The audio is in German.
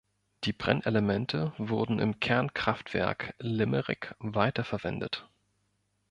Die Brennelemente wurden im Kernkraftwerk Limerick weiter verwendet.